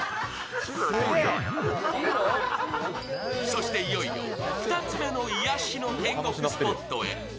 そして、いよいよ２つ目の癒やしの天国スポットへ。